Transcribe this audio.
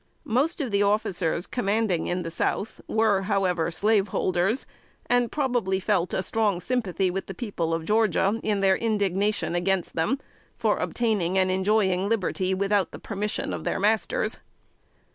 Most of the officers commanding in the South were, however, slaveholders, and probably felt a strong sympathy with the people of Georgia in their indignation against them, for obtaining and enjoying liberty without permission of their masters.